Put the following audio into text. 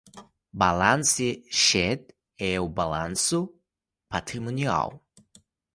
Balance Sheet é o balanço patrimonial.